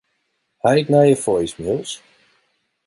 Ha ik nije voicemails?